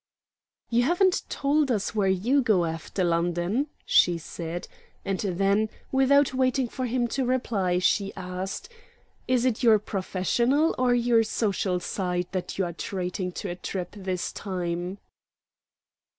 "You haven't told us where you go after London," she said; and then, without waiting for him to reply, she asked, "Is it your professional or your social side that you are treating to a trip this time?"